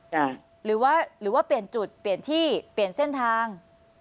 หรือว่าหรือว่าเปลี่ยนจุดเปลี่ยนที่เปลี่ยนเส้นทาง